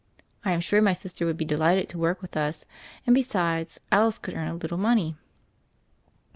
I am sure my sister would be delighted to work with us; and, be sides, Alice could earn a little money."